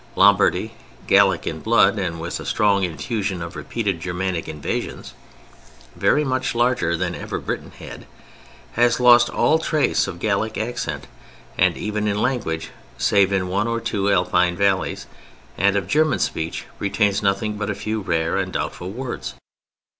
Lombardy, Gallic in blood and with a strong infusion of repeated Germanic invasions (very much larger than ever Britain had!) has lost all trace of Gallic accent, even in language, save in one or two Alpine valleys, and of German speech retains nothing but a few rare and doubtful words.